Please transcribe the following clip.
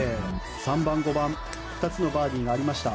３番、５番２つのバーディーがありました。